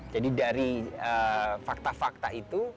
jadi dari fakta fakta itu